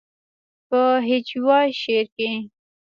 پۀ هجويه شعر کښې